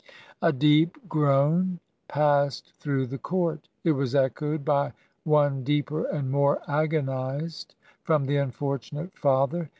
' A deep groan passed through the court. It was echoed by one deeper and more agonized from the unfortunate father